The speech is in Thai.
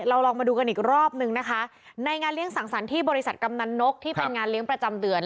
ลองมาดูกันอีกรอบนึงนะคะในงานเลี้ยสั่งสรรค์ที่บริษัทกำนันนกที่เป็นงานเลี้ยงประจำเดือน